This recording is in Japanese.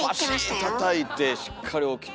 バシーンたたいてしっかり起きて。